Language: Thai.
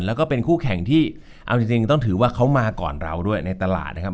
แล้วก็เป็นคู่แข่งที่เอาจริงต้องถือว่าเขามาก่อนเราด้วยในตลาดนะครับ